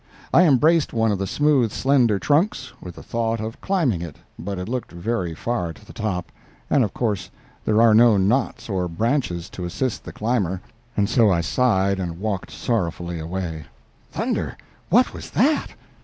I embraced one of the smooth slender trunks, with the thought of climbing it, but it looked very far to the top, and of course there were no knots or branches to assist the climber, and so I sighed and walked sorrowfully away. "Thunder! what was that!"